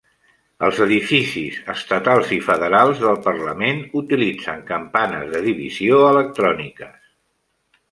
Els edificis estatals i federals del parlament utilitzen campanes de divisió electròniques.